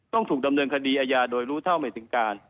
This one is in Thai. ต้องถูกดำเนินคดีอาญาโดยรู้เท่าไม่ถึงการ